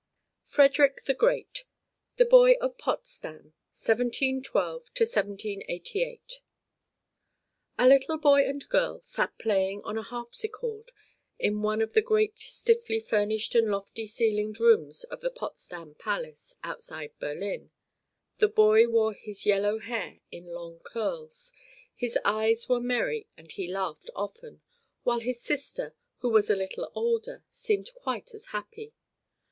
V Frederick the Great The Boy of Potsdam: 1712 1788 A little boy and girl sat playing on a harpsichord in one of the great stiffly furnished and lofty ceilinged rooms of the Potsdam Palace, outside Berlin. The boy wore his yellow hair in long curls, his eyes were merry and he laughed often, while his sister, who was a little older, seemed quite as happy.